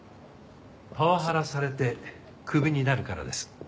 パワハラされてクビになるからです。